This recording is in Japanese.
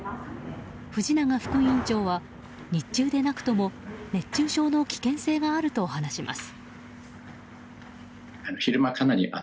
藤永副院長は、日中でなくても熱中症の危険性があると話します。